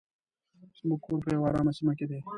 زموږ کور په یو ارامه سیمه کې دی.